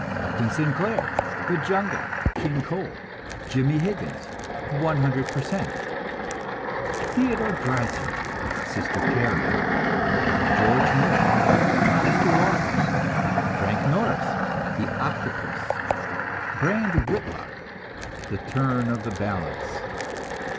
Upton Sinclair: The Jungle, King Coal, Jimmie Higgins, 100 Per Cent. Theodore Dreiser: Sister Carrie. George Moore: Esther Waters. Frank Norris: The Octopus. Brand Whitlock: The Turn of the Balance.